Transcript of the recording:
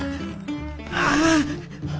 ああ。